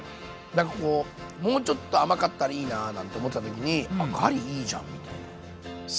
なんかこうもうちょっと甘かったらいいななんて思ってた時にあガリいいじゃんみたいな。最高だよ。